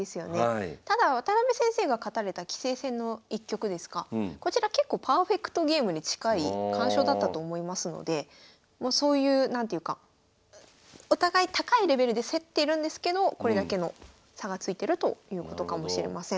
ただ渡辺先生が勝たれた棋聖戦の１局ですがこちら結構パーフェクトゲームに近い完勝だったと思いますのでもうそういう何ていうかお互い高いレベルで競ってるんですけどこれだけの差がついてるということかもしれません。